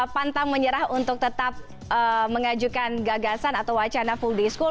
pantang menyerah untuk tetap mengajukan gagasan atau wacana full day school